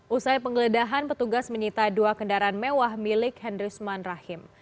usai penggeledahan petugas menyita dua kendaraan mewah milik hendrisman rahim